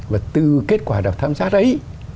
và từ kết quả đảo tham sát ấy